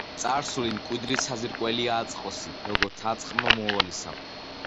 „წარსული მკვიდრი საძირკველია აწმყოსი, როგორც აწმყო მომავლისა.“